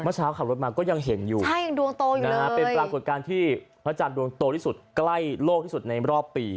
เมื่อเช้าขับรถมาก็ยังเห็นอยู่เป็นปรากฏการณ์ที่พระจันทร์ดวงโตที่สุดใกล้โลกที่สุดในรอบปี